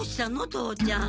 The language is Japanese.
父ちゃん。